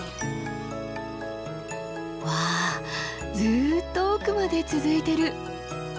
うわずっと奥まで続いてる。